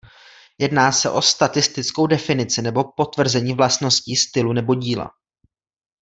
Jedná se o statistickou definici nebo potvrzení vlastností stylu nebo díla.